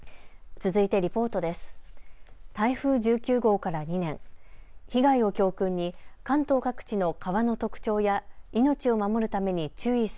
続いてリポートです。